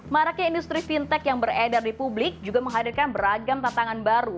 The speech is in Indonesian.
maraknya industri fintech yang beredar di publik juga menghadirkan beragam tantangan baru